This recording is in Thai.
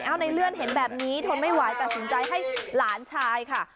เอาในเลื่อนเห็นแบบนี้ทนไม่ไหวตัดสินใจให้หลานชายค่ะ